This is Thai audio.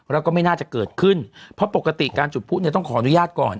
แล้วก็ไม่น่าจะเกิดขึ้นเพราะปกติการจุดผู้เนี่ยต้องขออนุญาตก่อน